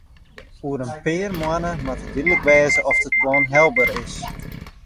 Oer in pear moanne moat dúdlik wêze oft it plan helber is.